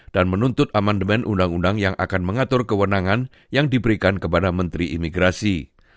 dan menuntut amendement undang undang yang akan mengatur kewenangan yang diberikan kepada menteri imigrasi